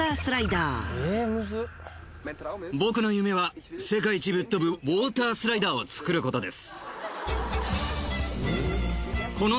僕の夢は世界一ぶっとぶウォータースライダーを作ることです。